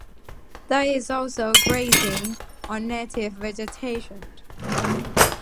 There is also grazing on native vegetation.